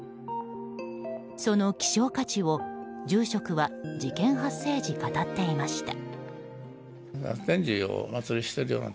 その希少価値を住職は事件発生時語っていました。